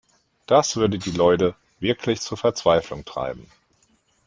Das würde die Leute wirklich zur Verzweiflung treiben.